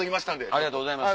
ありがとうございます。